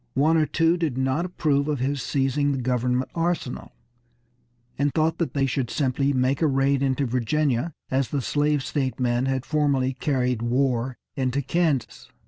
One or two did not approve of his seizing the government arsenal, and thought they should simply make a raid into Virginia as the slave state men had formerly carried war into Kansas.